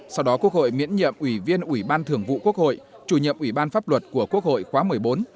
sau đó quốc hội miễn nhiệm ủy viên ủy ban thường vụ quốc hội chủ nhiệm ủy ban pháp luật của quốc hội khóa một mươi bốn